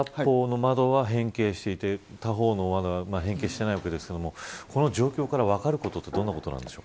片方の窓は変形していて他方の窓は変形していませんがこの状況から分かるのはどんなことですか。